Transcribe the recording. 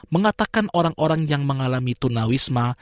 mengatakan orang orang yang mengalami tunawisma